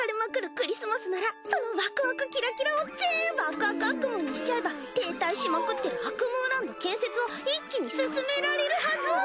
クリスマスならそのワクワクキラキラをぜんぶあくあくあっくむーにしちゃえば停滞しまくってるアクムーランド建設を一気に進められるはず！